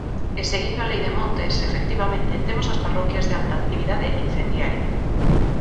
E seguindo a Lei de montes, efectivamente, temos as parroquias de alta actividade incendiaria.